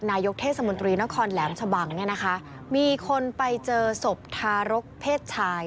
นายกเทศมนตรีนครแหลมชะบังเนี่ยนะคะมีคนไปเจอศพทารกเพศชาย